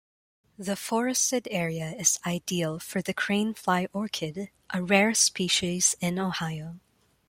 The forested area is ideal for the crane-fly orchid, a rare species in Ohio.